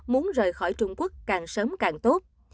muốn rời khỏi trung quốc càng sớm càng tốt